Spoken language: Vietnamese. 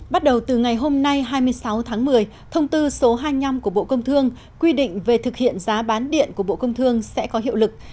bắt đầu từ ngày hôm nay hai mươi sáu tháng một mươi thông tư số hai mươi năm của bộ công thương quy định về thực hiện giá bán điện của bộ công thương sẽ có hiệu lực